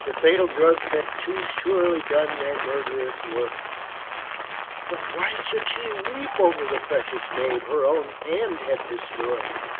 The fatal drugs had too surely done their murderous work. But why should she weep over the precious babe her own hand had destroyed?